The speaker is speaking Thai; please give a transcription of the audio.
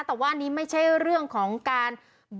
แต่ว่าอันนี้ไม่ใช่เรื่องของการ